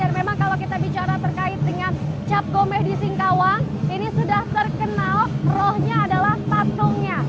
dan memang kalau kita bicara terkait dengan cap gomeh di singkawang ini sudah terkenal rohnya adalah tatungnya